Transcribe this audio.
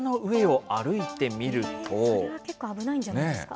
それは結構危ないんじゃないんですか。